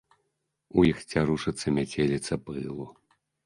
У іх цярушыцца мяцеліца пылу.